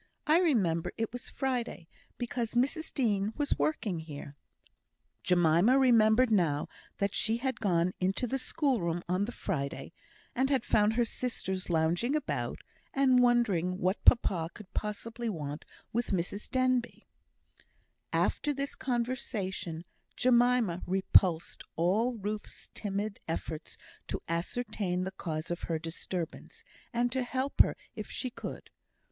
I remember it was Friday, because Mrs Dean was working here." Jemima remembered now that she had gone into the school room on the Friday, and found her sisters lounging about, and wondering what papa could possibly want with Mrs Denbigh. After this conversation, Jemima repulsed all Ruth's timid efforts to ascertain the cause of her disturbance, and to help her if she could.